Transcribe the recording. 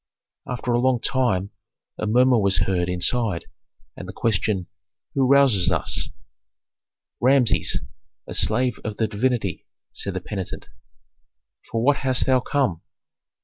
After a long time a murmur was heard inside, and the question, "Who rouses us?" "Rameses, a slave of the divinity," said the penitent. "For what hast thou come?"